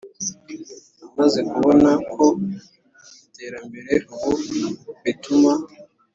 Amaze kubona ko iterambere ubu rituma